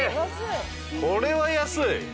これは安い。